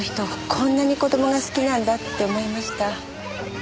こんなに子供が好きなんだって思いました。